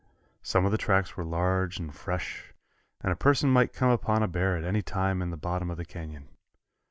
Some of the tracks were large and fresh, and a person might come upon a bear at any time in the bottom of the canyon.